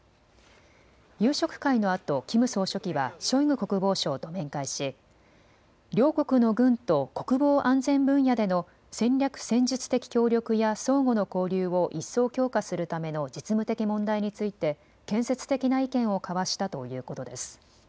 夕食会のあとキム総書記はショイグ国防相と面会し両国の軍と国防安全分野での戦略・戦術的協力や相互の交流を一層強化するための実務的問題について建設的な意見を交わしたということです。